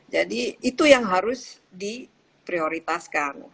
jadi itu yang harus diprioritaskan